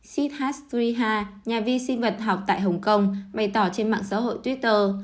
sid haas triha nhà vi sinh vật học tại hồng kông bày tỏ trên mạng xã hội twitter